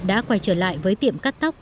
đã quay trở lại với tiệm cắt tóc